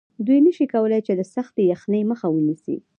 دوی نشي کولی چې د سختې یخنۍ مخه ونیسي